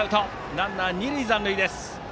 ランナー、二塁残塁です。